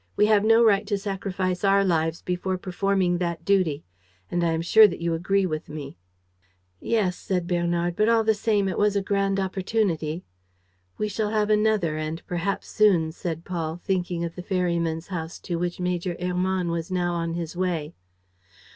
We have no right to sacrifice our lives before performing that duty. And I am sure that you agree with me." "Yes," said Bernard. "But all the same it was a grand opportunity." "We shall have another and perhaps soon," said Paul, thinking of the ferryman's house to which Major Hermann was now on his way.